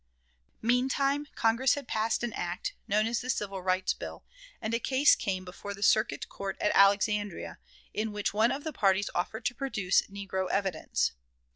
Meantime Congress had passed an act, known as the Civil Rights Bill, and a case came before the Circuit Court, at Alexandria, in which one of the parties offered to produce negro evidence.